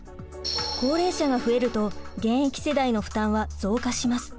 高齢者が増えると現役世代の負担は増加します。